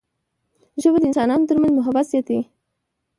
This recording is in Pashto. ژبه د انسانانو ترمنځ محبت زیاتوي